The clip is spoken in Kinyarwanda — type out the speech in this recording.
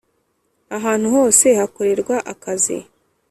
Ahantu hose hakorerwa akazi